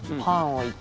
はい。